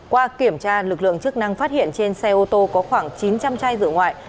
qua kiểm tra lực lượng chức năng phát hiện trên xe ô tô có khoảng chín trăm linh chai rượu ngoại